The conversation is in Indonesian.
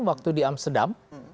waktu di amsterdam